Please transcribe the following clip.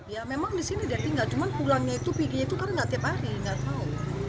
ya memang di sini dia tinggal cuma pulangnya itu perginya itu karena nggak tiap hari nggak tahu